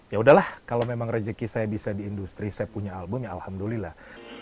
ya udahlah kalau memang rezeki saya bisa di industri saya punya album ya alhamdulillah